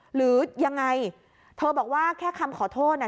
หรือยังไงเธอบอกว่าแค่คำขอโทษน่ะ